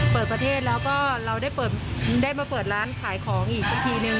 เปิดประเทศแล้วก็เราได้มาเปิดร้านขายของอีกสักทีนึง